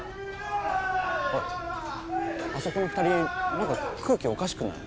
おいあそこの２人何か空気おかしくない？